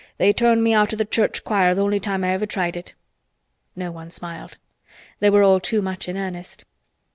"They turned me out o' th' church choir th' only time I ever tried it." No one smiled. They were all too much in earnest.